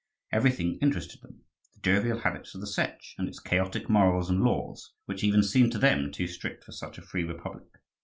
Everything interested them the jovial habits of the Setch, and its chaotic morals and laws, which even seemed to them too strict for such a free republic.